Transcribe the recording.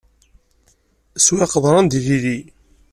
Swiɣ qeḍran d ililli.